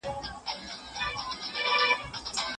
نن دي وي سبا به به وزي په تور مخ په ټیټو سترګو